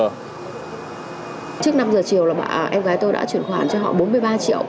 trước năm giờ chiều là bạn em gái tôi đã chuyển khoản cho họ bốn mươi ba triệu